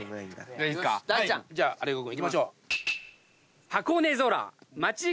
じゃあ有岡君いきましょう。